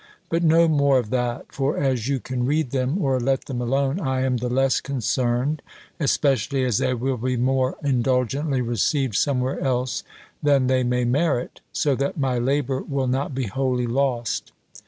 But no more of that; for as you can read them, or let them alone, I am the less concerned, especially as they will be more indulgently received somewhere else, than they may merit; so that my labour will not be wholly lost.